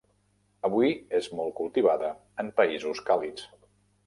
Avui és molt cultivada en països càlids.